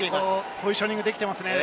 ポジショニングできていますね。